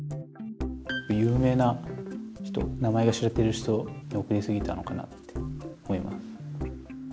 有名な人名前が知れてる人に送りすぎたのかなって思います。